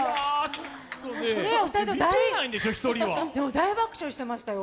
大爆笑してましたよ。